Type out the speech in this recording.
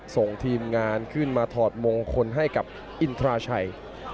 ส่งทีมงานขึ้นมาถอดมงคลให้กับอินทราชัย